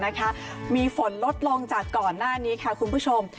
แล้วก็ภาคอีสานนะคะมีฝนลดลงจากก่อนหน้านี้ค่ะคุณผู้ชม